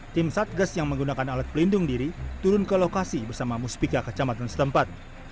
tim satgas yang menggunakan alat pelindung diri turun ke lokasi bersama muspika kecamatan setempat